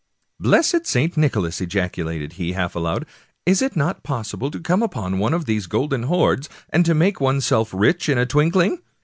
" Blessed St. Nicholas !" ejaculated he, half aloud, " is it not possible to come upon one of these golden hoards, and to make oneself rich in a twinkling?